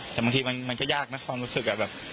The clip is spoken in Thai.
แต่บางทีมันก็ยากมากเป็นรู้สึกแบบ